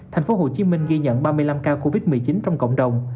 thành phố hồ chí minh ghi nhận ba mươi năm ca covid một mươi chín trong cộng đồng